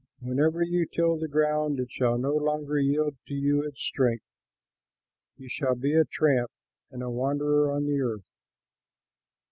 Whenever you till the ground, it shall no longer yield to you its strength; you shall be a tramp and a wanderer on the earth."